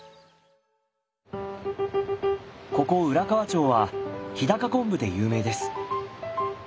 ここ浦河町は日高昆布で有名です。